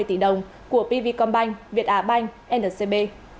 tỷ đồng của pv combine việt á banh nrcb